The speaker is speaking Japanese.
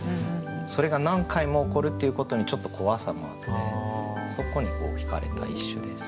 それが何回も起こるっていうことにちょっと怖さもあってそこにひかれた一首です。